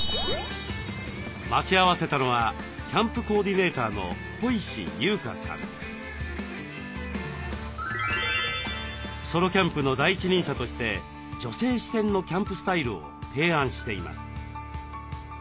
待ち合わせたのはソロキャンプの第一人者として女性視点のキャンプスタイルを提案しています。